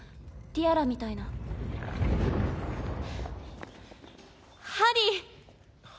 ティアラみたいなハリー！